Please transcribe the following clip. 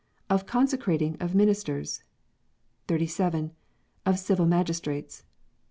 Of Consecrating of Ministers. 37. Of Civil Magistrates.